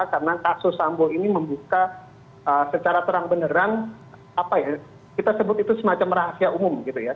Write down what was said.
karena kasus sambo ini membuka secara terang beneran kita sebut itu semacam rahasia umum